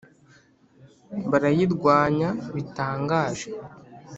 Barayirwanya bitangaje